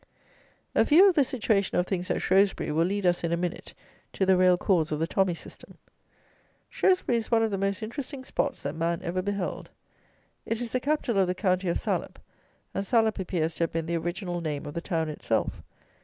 A view of the situation of things at Shrewsbury, will lead us in a minute to the real cause of the tommy system. Shrewsbury is one of the most interesting spots that man ever beheld. It is the capital of the county of Salop, and Salop appears to have been the original name of the town itself.